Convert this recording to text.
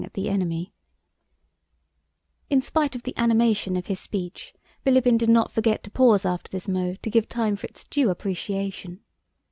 *(2) In spite of the animation of his speech, Bilíbin did not forget to pause after this mot to give time for its due appreciation.